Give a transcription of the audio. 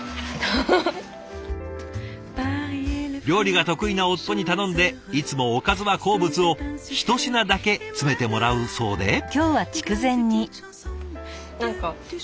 料理が得意な夫に頼んでいつもおかずは好物を１品だけ詰めてもらうそうで。